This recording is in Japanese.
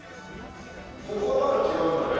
ここはまだ違うんだね？